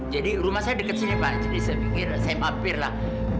jadi rumah saya dekat sini pak jadi saya pikir saya mampir lah